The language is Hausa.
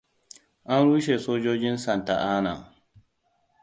An rushe sojojin Santa Ana.